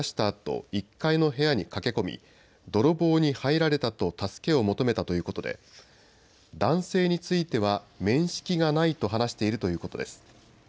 あと１階の部屋に駆け込み泥棒に入られたと助けを求めたということで男性については面識がないと話しているということです。